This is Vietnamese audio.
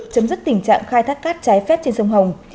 chấm dứt tình trạng khai thác cát trái phép trên sông hồng